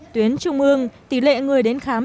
tuyến trung ương tỷ lệ người đến khám